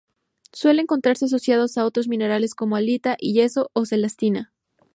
Suele encontrarse asociado a otros minerales como: halita, yeso o celestina.